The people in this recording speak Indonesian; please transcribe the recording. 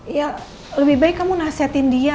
ya lebih baik kamu nasihatin dia